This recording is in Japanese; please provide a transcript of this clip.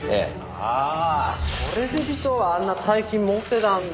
ああそれで尾藤はあんな大金持ってたんだ。